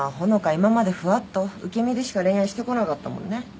今までふわっと受け身でしか恋愛してこなかったもんね。